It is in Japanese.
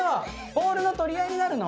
ボールの取り合いになるの？